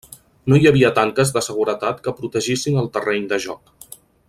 No hi havia tanques de seguretat que protegissin el terreny de joc.